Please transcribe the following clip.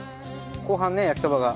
後半ね焼きそばが。